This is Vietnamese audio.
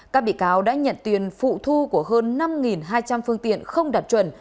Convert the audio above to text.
các bị cáo đã nhận tiền phụ thu của hơn năm hai trăm linh phương tiện không đạt chuẩn